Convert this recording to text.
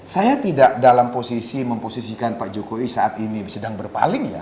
saya tidak dalam posisi memposisikan pak jokowi saat ini sedang berpaling ya